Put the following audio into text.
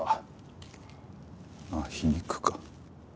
ああ皮肉か。